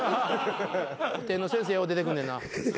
古典の先生よう出てくんねんな。